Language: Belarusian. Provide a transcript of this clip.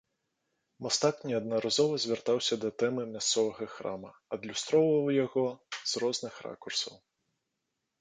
Мастак неаднаразова звяртаўся да тэмы мясцовага храма, адлюстроўваў яго з розных ракурсаў.